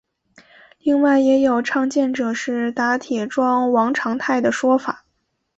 另外也有倡建者是打铁庄王长泰的说法。